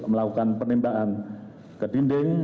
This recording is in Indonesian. melakukan penembakan ke dinding